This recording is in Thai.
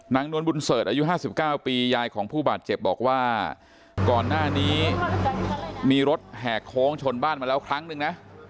นวลบุญเสิร์ชอายุ๕๙ปียายของผู้บาดเจ็บบอกว่าก่อนหน้านี้มีรถแหกโค้งชนบ้านมาแล้วครั้งนึงนะ